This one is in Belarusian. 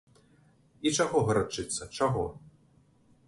І чаго гарачыцца, чаго?